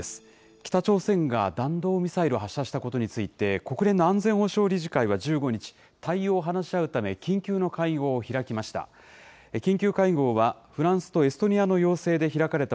北朝鮮が弾道ミサイルを発射したことについて、国連の安全保障理事会は１５日、対応を話し合うため、緊急の会合を開きました。